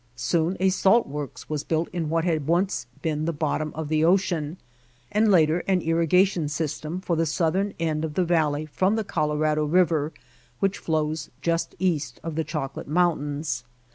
Soon a salt works was built in what had once been the bottom of the ocean, and later an irrigation system for the southern end of the valley from the Colorado River which flows just east of the Chocolate Mountains.